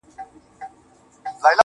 هغه وايي يو درد مي د وزير پر مخ گنډلی~